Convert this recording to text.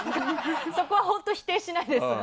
そこは本当否定しないです。